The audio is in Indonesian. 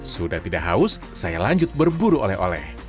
sudah tidak haus saya lanjut berburu oleh oleh